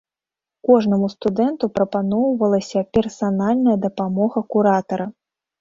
Кожнаму студэнту прапаноўвалася персанальная дапамога куратара.